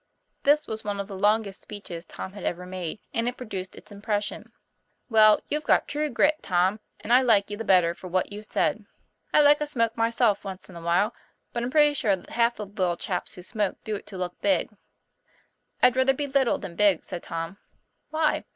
This was one of the Jongest speeches Tom had ever made; and it produced its impression. "Well, you've got true grit, Tom. And I like you the better for what you've said. I like a smoke myself once in a while, but I'm pretty sure that half the little chaps who smoke do it to look big." " I'd rather be little than big," said Tom. "Why?"